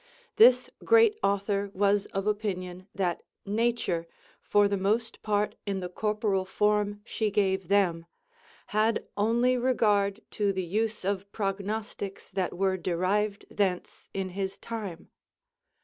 This great author was of opinion that nature, for the most part in the corporal form she gave them, had only regard to the use of prognostics that were derived thence in his time.